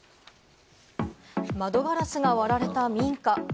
窓ガラスが割れた民家。